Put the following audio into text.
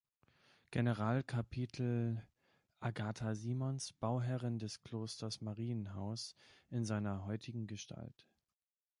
Generalkapitel Agatha Simons, Bauherrin des Klosters Marienhaus in seiner heutigen Gestalt.